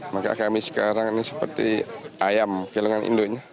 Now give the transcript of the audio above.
maka kami sekarang ini seperti ayam kilangan indonya